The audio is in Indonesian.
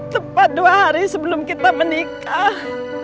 tepat dua hari sebelum kita menikah